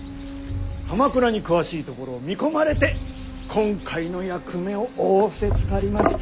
鎌倉に詳しいところを見込まれて今回の役目を仰せつかりました。